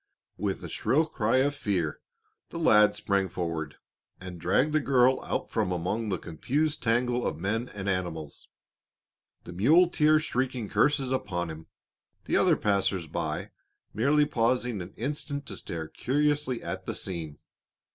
With a shrill cry of fear the lad sprang forward, and dragged the girl out from among the confused tangle of men and animals, the muleteer shrieking curses upon him, the other passers by merely pausing an instant to stare curiously at the scene.